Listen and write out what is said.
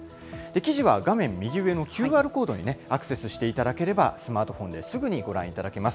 記事は画面右上のＱＲコードにアクセスしていただければ、スマートフォンですぐにご覧いただけます。